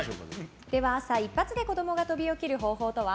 では朝、一発で子供が飛び起きる方法とは？